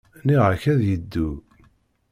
Nniɣ-ak ad yeddu.